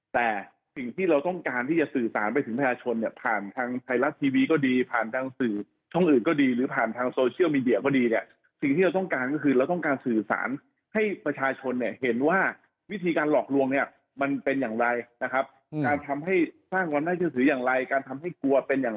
แต่สิ่งที่เราต้องการที่จะสื่อสารไปถึงประชาชนเนี่ยผ่านทางไทยรัฐทีวีก็ดีผ่านทางสื่อช่องอื่นก็ดีหรือผ่านทางโซเชียลมีเดียก็ดีเนี่ยสิ่งที่เราต้องการก็คือเราต้องการสื่อสารให้ประชาชนเนี่ยเห็นว่าวิธีการหลอกลวงเนี่ยมันเป็นอย่างไรนะครับการทำให้สร้างความน่าเชื่อถืออย่างไรการทำให้กลัวเป็นอย่าง